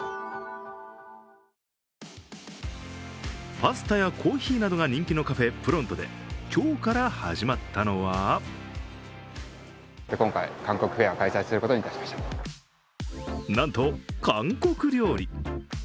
パスタやコーヒーなどが人気のカフェ・プロントで今日から始まったのはなんと韓国料理。